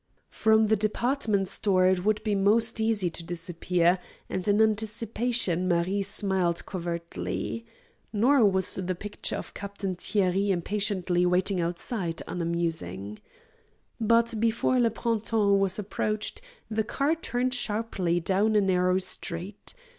From the department store it would be most easy to disappear, and in anticipation Marie smiled covertly. Nor was the picture of Captain Thierry impatiently waiting outside unamusing. But before Le Printemps was approached, the car turned sharply down a narrow street.